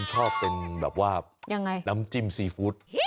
ชอบเป็นแบบว่าน้ำจิ้มซีฟู้ด